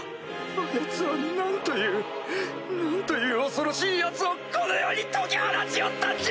ああヤツは何という何という恐ろしいヤツをこの世に解き放ちよったんじゃ！